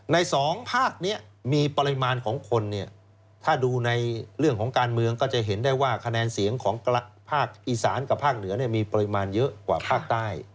สองภาคนี้มีปริมาณของคนเนี่ยถ้าดูในเรื่องของการเมืองก็จะเห็นได้ว่าคะแนนเสียงของภาคอีสานกับภาคเหนือมีปริมาณเยอะกว่าภาคใต้